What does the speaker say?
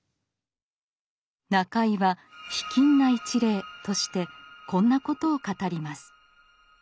中井は「卑近な一例」としてこんなことを語ります。